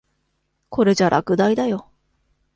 これじゃ落第だよ。